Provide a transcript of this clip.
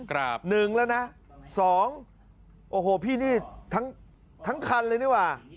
ครับหนึ่งแล้วนะสองโอ้โหพี่นี่ทั้งทั้งคันเลยนี่ว่ะ